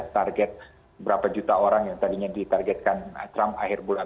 target berapa juta orang yang tadinya ditargetkan trump